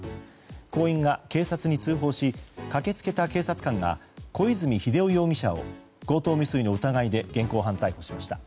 行員が警察に通報し駆け付けた警察官が小泉秀夫容疑者を強盗未遂の現行犯で逮捕しました。